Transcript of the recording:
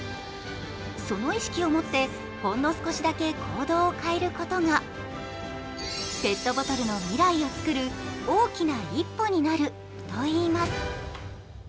その意識を持ってほんの少しだけ行動を変えることがペットボトルの未来を作る大きな一歩になるといいます。